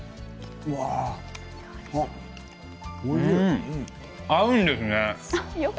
うん、合うんですね。